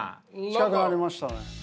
近くなりましたね。